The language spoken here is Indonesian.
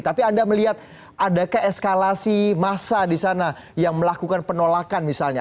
tapi anda melihat adakah eskalasi massa di sana yang melakukan penolakan misalnya